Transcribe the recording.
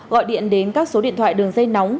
gọi điện đến các số điện thoại đường dây nóng